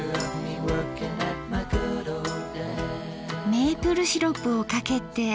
メープルシロップをかけて。